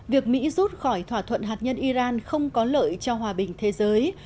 việc mỹ rút khỏi thỏa thuận hạt nhân iran không có lợi cho hòa bình thế giới